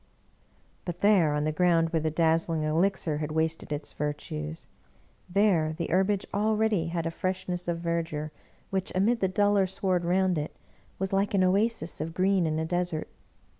But there, on the ground where the dazzling elixir had wasted its virtues — there the herbage already had a fresh ness of verdure which, amid the duller sward round it, was like an oasis of green in a desert.